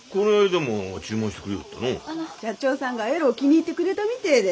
社長さんがえろう気に入ってくれたみてえで。